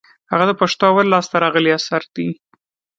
هغه د پښتو اول لاس ته راغلى اثر دئ.